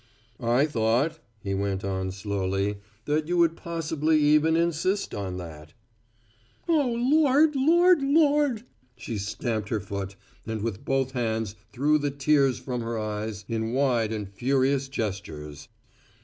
"I thought," he went on, slowly, "that you would possibly even insist on that." "Oh, Lord, Lord, Lord!" She stamped her foot, and with both hands threw the tears from her eyes in wide and furious gestures.